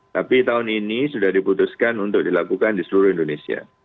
tapi tahun ini sudah diputuskan untuk dilakukan di seluruh indonesia